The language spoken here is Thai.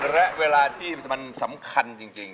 และเวลาที่มันสำคัญจริง